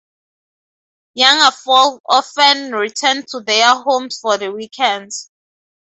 Younger folk often return to their homes for the weekends.